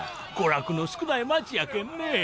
娯楽の少ない町やけんねえ。